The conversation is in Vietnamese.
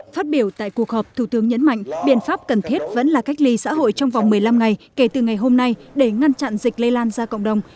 phát biểu tại cuộc họp thủ tướng nhấn mạnh biện pháp cần thiết vẫn là cách ly xã hội trong vòng một mươi năm ngày kể từ ngày hôm nay để ngăn chặn dịch lây lan ra cộng đồng